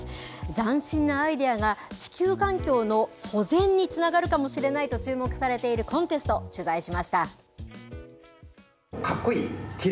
斬新なアイデアが地球環境の保全につながるかもしれないと注目されているコンテスト、取材しました。